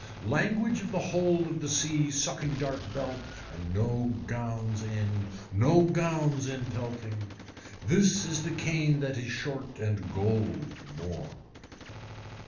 Language of the hold of the sea sucking dart belt and no gowns in, no gowns in pelting. This is the cane that is short and gold more.